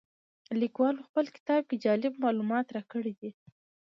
لیکوال په خپل کتاب کې جالب معلومات راکړي دي.